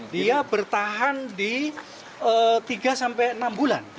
dia bertahan di tiga sampai enam bulan